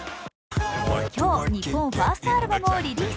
今日、日本ファーストアルバムをリリース。